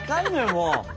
もう。